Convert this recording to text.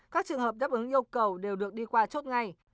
các trường hợp đáp ứng yêu cầu đều được đi qua chốt ngay